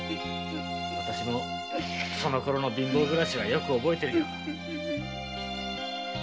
そのころの貧乏暮らしよく覚えてるよ。